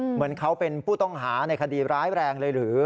เหมือนเขาเป็นผู้ต้องหาในคดีร้ายแรงเลยหรือ